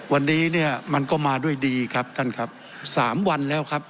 วันนี้เนี่ยมันก็มาด้วยดีครับท่านครับสามวันแล้วครับ